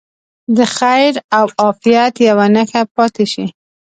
د خیر او عافیت یوه نښه پاتې شي.